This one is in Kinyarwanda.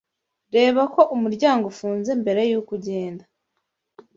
Reba ko umuryango ufunze mbere yuko ugenda.